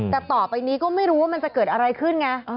แต่ต่อไปนี้ก็ไม่รู้ว่ามันจะเกิดอะไรขึ้นไง